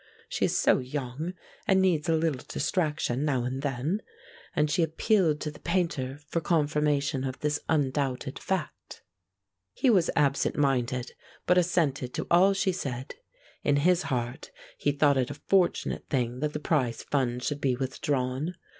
She is so young, and needs a little distraction, now and then," and she appealed to the Painter for confirmation of this undoubted fact. He was absent minded, but assented to all she said. In his heart he thought it a fortunate thing that the prize fund should be withdrawn.